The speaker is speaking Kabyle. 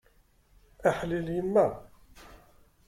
Aḥlil yemma!